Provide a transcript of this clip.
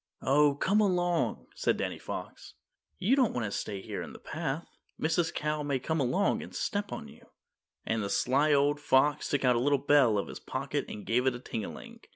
"Oh, come along," said Danny Fox, "you don't want to stay here in the path. Mrs. Cow may come along and step on you," and the sly old fox took a little bell out of his pocket and gave it a ting a ling.